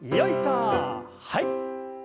はい。